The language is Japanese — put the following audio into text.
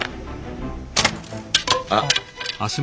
あっ。